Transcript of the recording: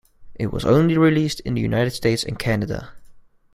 It was only released in the United States and Canada.